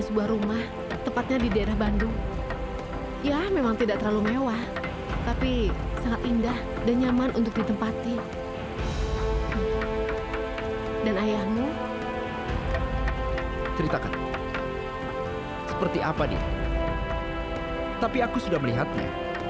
sampai jumpa di video selanjutnya